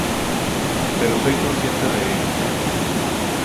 Pero soy consciente de ello.